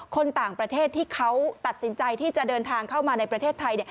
คนต่างประเทศที่เขาตัดสินใจที่จะเดินทางเข้ามาในประเทศไทย